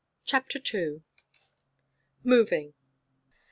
CHAPTER II. MOVING.